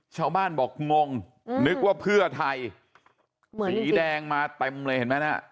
ชาวบ้านบอกงงนึกว่าเพื่อไทยสีแดงมาเต็มเลยเห็นไหมน่ะ